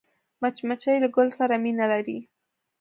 مچمچۍ له ګل سره مینه لري